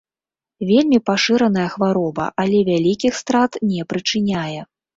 Вельмі пашыраная хвароба, але вялікіх страт не прычыняе.